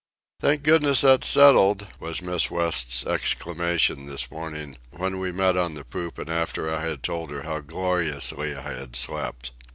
"Thank goodness that's settled," was Miss West's exclamation this morning, when we met on the poop and after I had told her how gloriously I had slept.